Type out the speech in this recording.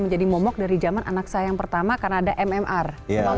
menjadi momok dari zaman anak saya yang pertama karena ada mmr misal rubella yang dikatakan bisa